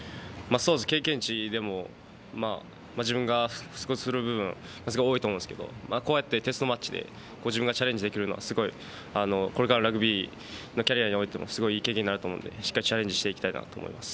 経験値でも自分が不足する部分が多いと思うんですがこうやってテストマッチで自分がチャレンジできるのはこれからのラグビーのキャリアにおいても、すごいいい経験になると思うのでしっかりチャレンジしたいと思います。